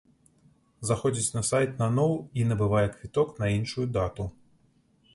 Заходзіць на сайт наноў і набывае квіток на іншую дату.